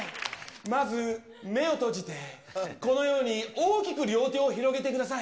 まず、目を閉じて、このように大きく両手を広げてください。